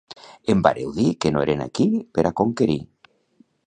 Em vàreu dir que no eren aquí per a conquerir.